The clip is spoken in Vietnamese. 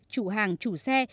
chủ hàng chủ xe